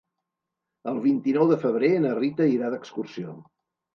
El vint-i-nou de febrer na Rita irà d'excursió.